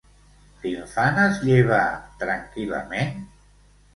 L'infant es lleva tranquil·lament?